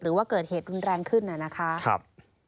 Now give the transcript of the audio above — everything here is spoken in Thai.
หรือว่าเกิดเหตุรุนแรงขึ้นนะครับ